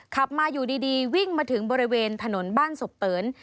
ขับมาอยู่ดีวิ่งมาถึงบริเวณถนนบ้านศพเติน